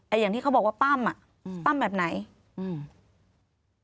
อย่างที่เขาบอกว่าปั้มอ่ะอืมปั้มแบบไหนอืม